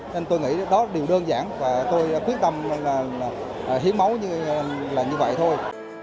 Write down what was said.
nên tôi nghĩ đó là điều đơn giản và tôi quyết tâm hiến máu là như vậy thôi